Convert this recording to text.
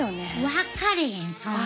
分かれへんそんなん。